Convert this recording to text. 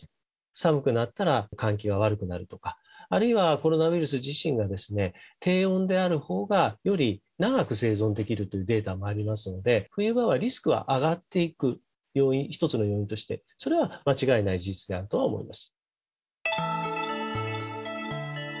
寒くなったら換気が悪くなるとか、あるいはコロナウイルス自身が低温であるほうがより長く生存できるというデータもありますので、冬場はリスクは上がっていく要因、一つの要因として、それは間違いない事実であるとは思います。